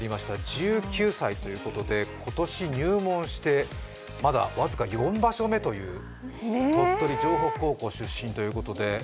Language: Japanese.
１９歳ということで今年入門してまだ僅か４場所目という、鳥取城北高校出身ということで。